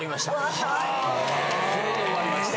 これで終わりました。